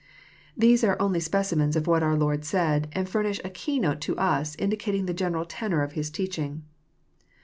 These are only specimens of what our Lord said, and furnish a keynote to us indicating the general tenor of His teaching.